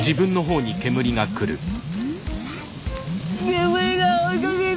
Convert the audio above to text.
煙が追いかけてくる。